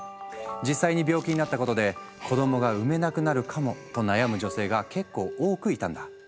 実際に病気になったことで子どもが産めなくなるかもと悩む女性が結構多くいたんだ。